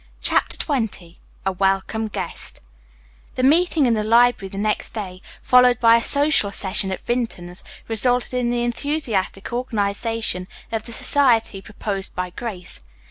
CHAPTER XX A WELCOME GUEST The meeting in the library the next day, followed by a social session at Vinton's, resulted in the enthusiastic organization of the society proposed by Grace.